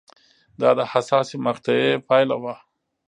دا د حساسې مقطعې پایله وه